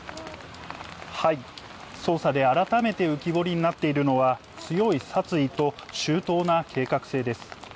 捜査で改めて浮き彫りになっているのは、強い殺意と周到な計画性です。